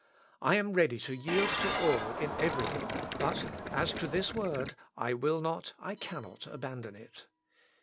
I am ready to yield to all in every thing; but, as to this word, I will not, I cannot, abandon it.